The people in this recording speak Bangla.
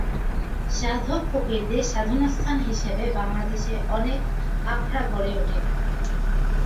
সাধক-ফকিরদের সাধনাস্থান হিসেবে বাংলাদেশে অনেক আখড়া গড়ে ওঠে।